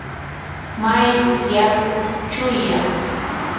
mayu yaku chuyam.